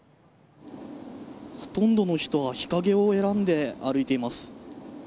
ほとんどの人が日陰を選んで歩いています。